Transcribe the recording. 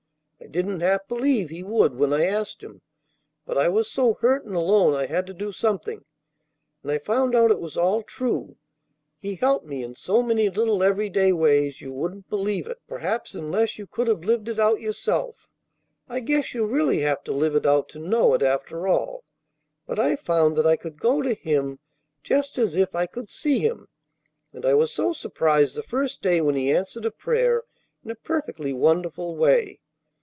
I didn't half believe He would when I asked Him; but I was so hurt and alone I had to do something; and I found out it was all true! He helped me in so many little every day ways, you wouldn't believe it, perhaps, unless you could have lived it out yourself. I guess you really have to live it out to know it, after all. But I found that I could go to Him just as if I could see Him, and I was so surprised the first day when He answered a prayer in a perfectly wonderful way.